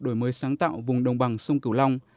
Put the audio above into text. đổi mới sáng tạo vùng đồng bằng sông cửu long